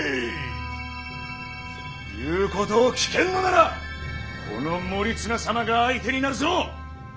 言うことを聞けんのならこの守綱様が相手になるぞ！